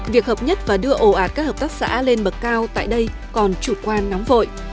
việc hợp nhất và đưa ồ ạt các hợp tác xã lên bậc cao tại đây còn chủ quan nóng vội